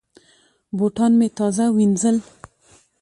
بوټان مې تازه وینځل.